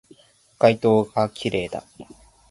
街灯が綺麗だ